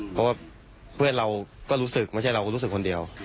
เพราะว่าเพื่อนเราก็รู้สึกไม่ใช่เราก็รู้สึกคนเดียว